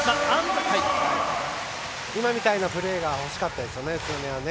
今みたいなプレーがほしかったですよね。